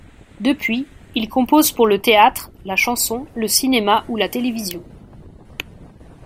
Depuis, il compose pour le théâtre, la chanson, le cinéma ou la télévision.